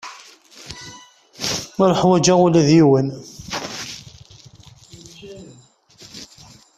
Ur uḥwaǧeɣ ula d yiwen.